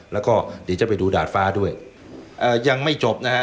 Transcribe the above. แล้วก็เดี๋ยวจะไปดูดาดฟ้าด้วยเอ่อยังไม่จบนะฮะ